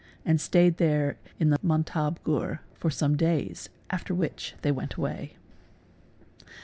and stayed there in the mantab ghur for some days, after which they went away.